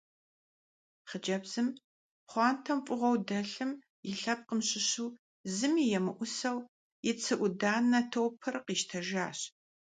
Хъыджэбзым пхъуантэм фӀыгъуэу дэлъым и лъэпкъым щыщу зыми емыӀусэу и цы Ӏуданэ топыр къищтэжащ.